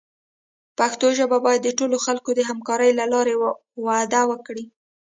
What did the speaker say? پښتو ژبه باید د ټولو خلکو د همکارۍ له لارې وده وکړي.